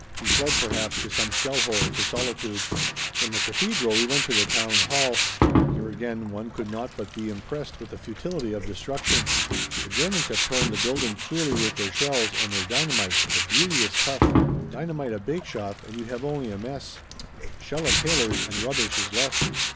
He fled, perhaps, to some shell hole for solitude. From the cathedral we went to the town hall. Here again one could not but be impressed with the futility of destruction. The Germans have torn the building cruelly with their shells and their dynamite, but beauty is tough. Dynamite a bakeshop and you have only a mess. Shell a tailor's and rubbish is left.